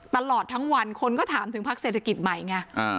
ตลอดทั้งวันคนก็ถามถึงพักเศรษฐกิจใหม่ไง